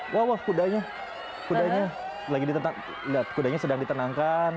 wah wah kudanya kudanya sedang ditenangkan